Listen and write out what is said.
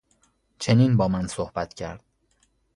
چنین با من صحبت کرد